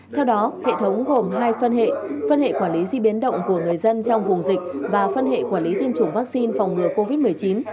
theo đó hệ thống gồm hai phân hệ phân hệ quản lý di biến động của người dân trong vùng dịch và phân hệ quản lý tiêm chủng vaccine phòng ngừa covid một mươi chín